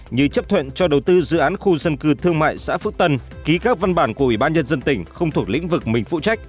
như chấp thuận cho đầu tư dự án khu dân cư thương mại xã phước tân ký các văn bản của ủy ban nhân dân tỉnh không thuộc lĩnh vực mình phụ trách